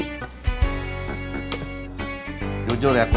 kamu mau ngeliatin saya begitu atau kum